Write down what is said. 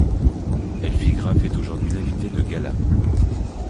Elfi Graf est aujourd'hui l'invitée de galas.